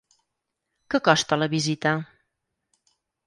Que costa la visita?